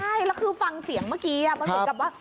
ใช่แล้วคือฟังเสียงเมื่อกี้มันเหมือนกับว่า